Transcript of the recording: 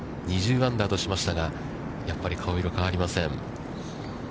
２０アンダーとしましたが、やっぱり顔色は変わりません。